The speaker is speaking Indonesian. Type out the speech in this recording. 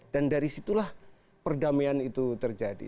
dan dari situlah perdamaian itu terjadi